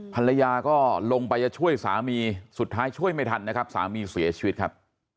ภรรยาก็ลงไปจะช่วยสามีสุดท้ายช่วยไม่ทันนะครับสามีเสียชีวิตครับ